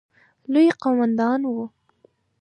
لوی قوماندان وو.